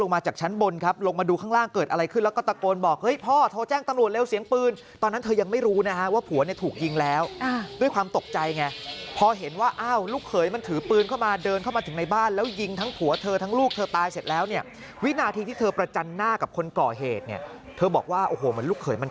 มาจากชั้นบนครับลงมาดูข้างล่างเกิดอะไรขึ้นแล้วก็ตะโกนบอกเฮ้ยพ่อโทรแจ้งตำรวจเร็วเสียงปืนตอนนั้นเธอยังไม่รู้นะฮะว่าผัวเนี่ยถูกยิงแล้วด้วยความตกใจไงพอเห็นว่าอ้าวลูกเขยมันถือปืนเข้ามาเดินเข้ามาถึงในบ้านแล้วยิงทั้งผัวเธอทั้งลูกเธอตายเสร็จแล้วเนี่ยวินาทีที่เธอประจันหน้ากับคนก่อเหตุเนี่ยเธอบอกว่าโอ้โหเหมือนลูกเขยมัน